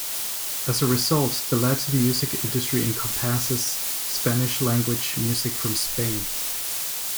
As a result, the Latin music industry encompasses Spanish-language music from Spain.